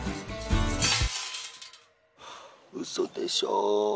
うそでしょ